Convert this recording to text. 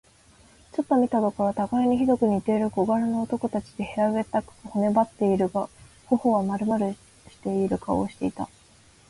ちょっと見たところ、たがいにひどく似ている小柄な男たちで、平べったく、骨ばってはいるが、頬がまるまるしている顔をしていた。